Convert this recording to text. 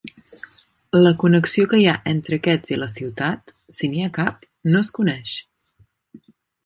La connexió que hi ha entre aquests i la ciutat, si n'hi ha cap, no es coneix.